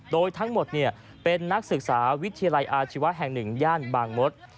โดยทั้งหมดเป็นนักศึกษาวิทยาลัยอาชีวะแห่ง๑ย่านบางมศ